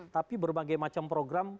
tapi berbagai macam program